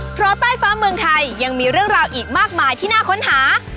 เพราะใต้ฟ้าเมืองไทยยังมีเรื่องราวอีกมากมายที่น่าค้นหา